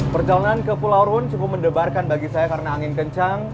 perjalanan ke pulau rune cukup mendebarkan bagi saya karena angin kencang